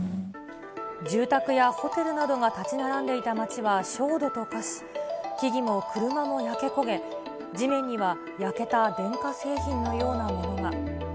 住宅やホテルなどが建ち並んでいた町は焦土と化し、木々も車も焼け焦げ、地面には焼けた電化製品のようなものが。